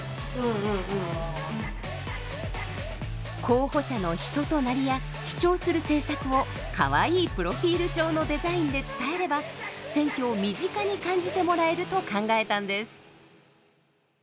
候補者の人となりや主張する政策をかわいいプロフィール帳のデザインで伝えれば選挙を身近に感じてもらえると考えたんです。